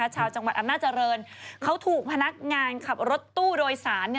ชาวจังหวัดอำนาจริงเขาถูกพนักงานขับรถตู้โดยสาร